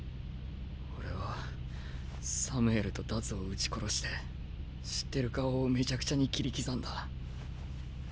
俺はサムエルとダズを撃ち殺して知ってる顔をめちゃくちゃに斬り刻んだ。